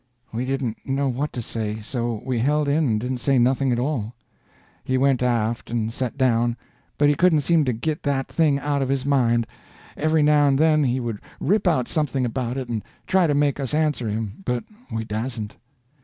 ] We didn't know what to say, so we held in and didn't say nothing at all. He went aft and set down, but he couldn't seem to git that thing out of his mind. Every now and then he would rip out something about it, and try to make us answer him, but we dasn't.